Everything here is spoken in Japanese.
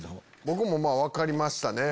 僕も分かりましたね。